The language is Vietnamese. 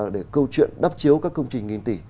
để câu chuyện đắp chiếu các công trình nghìn tỷ